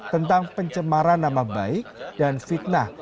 tentang pencemaran nama baik dan fitnah